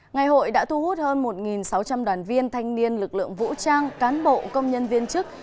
ngày hội đã thu hút hơn một sáu trăm linh đoàn viên thanh niên lực lượng vũ trang cán bộ công nhân viên chức